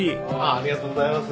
ありがとうございます。